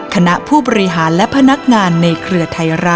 คณะผู้บริหารและพนักงานในเครือไทยรัฐ